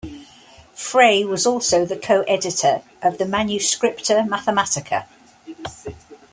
Frey was also the co-editor of the "Manuscripta Mathematica".